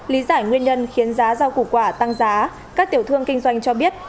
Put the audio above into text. lý giải nguyên nhân khiến giá rau củ quả tăng giá các tiểu thương kinh doanh cho biết